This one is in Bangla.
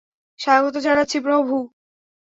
স্বাগত জানাচ্ছি, প্রভু!